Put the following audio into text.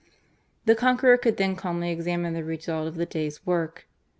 The conqueror could then calmly examine the result of the day's work.